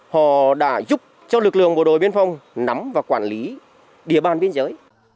họ đã giúp cho lực lượng bộ đội biên phòng nắm và quản lý địa bàn biên giới